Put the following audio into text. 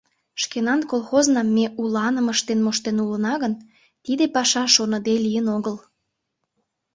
Шкенан колхознам ме уланым ыштен моштен улына гын, тиде паша шоныде лийын огыл.